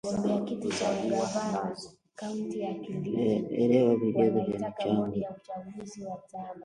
na kuifanya ya heshima na waendelee na ubunifu